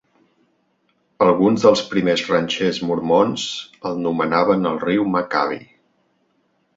Alguns dels primers ranxers mormons el nomenaven el Riu Macaby.